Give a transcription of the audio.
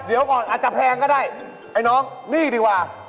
เดี๋ยวก่อนอาจจะแพงก็ได้ไอ้น้องนี่ดีกว่า